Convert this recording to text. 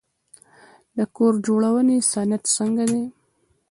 د کور جوړونې صنعت څنګه دی؟